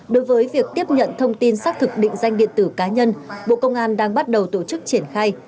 đối với việc tiếp nhận thông tin xác thực định danh điện tử cá nhân bộ công an đang bắt đầu tổ chức triển khai